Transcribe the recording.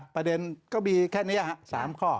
ประเด็นก็มีแค่นี้๓ข้อ